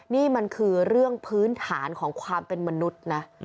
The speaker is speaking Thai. นี่มันคือเรื่องพื้นฐานของความเป็นมนุษย์นะ